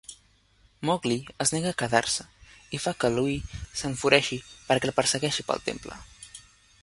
Mowgli es nega a quedar-se, i fa que Louie s'enfureixi perquè el persegueixi pel temple.